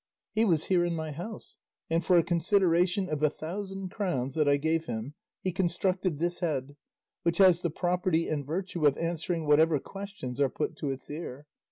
He was here in my house, and for a consideration of a thousand crowns that I gave him he constructed this head, which has the property and virtue of answering whatever questions are put to its ear.